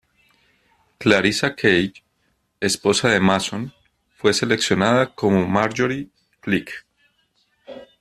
Clarissa Kaye, esposa de Mason, fue seleccionada como Marjorie Glick.